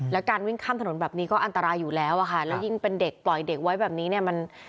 แล้วการวิ่งข้ามถนนแบบนี้ก็อันตรายอยู่แล้วอะค่ะแล้วยิ่งเป็นเด็กปล่อยเด็กไว้แบบนี้เนี่ยมัน